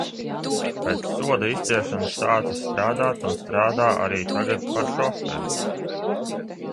Pēc soda izciešanas sācis strādāt un strādā arī tagad par šoferi.